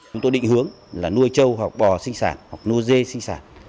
chúng tôi định hướng là nuôi trâu hoặc bò sinh sản hoặc nuôi dê sinh sản